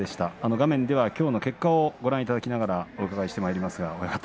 画面できょうの結果をご覧いただきながら伺います。